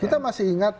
kita masih ingat